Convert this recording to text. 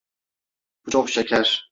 Bu çok şeker.